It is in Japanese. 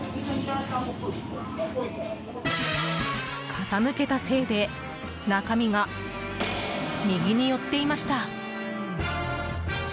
傾けたせいで中身が右に寄っていました。